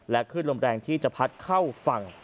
คลื่นลมแรงที่จะพัดเข้าฝั่ง